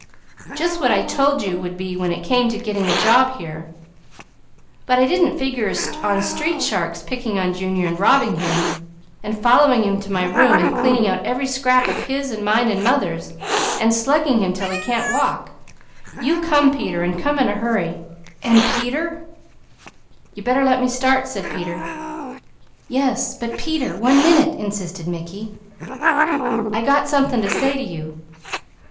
"Just what I told you would be when it came to getting a job here; but I didn't figure on street sharks picking on Junior and robbing him, and following him to my room, and slugging him 'til he can't walk. You come Peter, and come in a hurry, and Peter " "You better let me start " said Peter. "Yes, but Peter, one minute," insisted Mickey. "I got something to say to you.